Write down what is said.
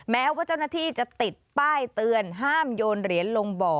แม้ว่าเจ้าหน้าที่จะติดป้ายเตือนห้ามโยนเหรียญลงบ่อ